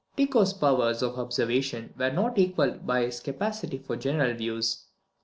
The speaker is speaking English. Tycho's powers of observation were not equalled by his capacity for general views.